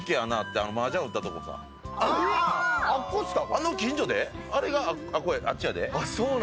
あの近所で、あれがあっちやで。